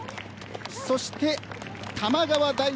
そして、玉川大学